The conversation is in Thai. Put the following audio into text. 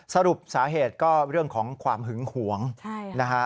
สรุปสาเหตุก็เรื่องของความหึงหวงนะฮะ